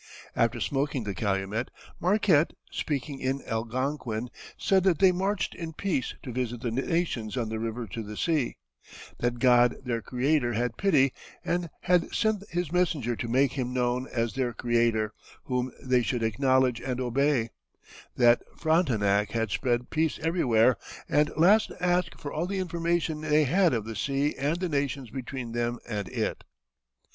After smoking the calumet, Marquette, speaking in Algonquin, said that they marched in peace to visit the nations on the river to the sea; that God their Creator had pity, and had sent his messenger to make him known as their Creator, whom they should acknowledge and obey; that Frontenac had spread peace everywhere; and last asked for all the information they had of the sea and the nations between them and it.